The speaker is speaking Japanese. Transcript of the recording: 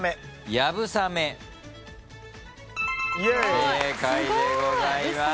正解でございます。